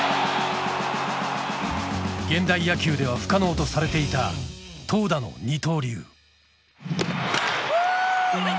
現代野球では不可能とされていた投打の二刀流。